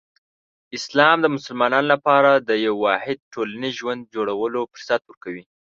اسلام د مسلمانانو لپاره د یو واحد ټولنیز ژوند جوړولو فرصت ورکوي.